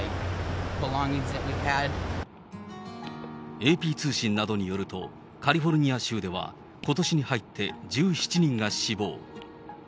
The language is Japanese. ＡＰ通信などによると、カリフォルニア州ではことしに入って、１７人が死亡。